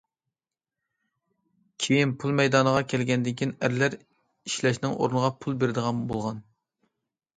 كېيىن پۇل مەيدانغا كەلگەندىن كېيىن ئەرلەر ئىشلەشنىڭ ئورنىغا پۇل بېرىدىغان بولغان.